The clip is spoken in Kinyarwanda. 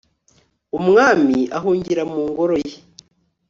umwami ahungira mu ngoro ye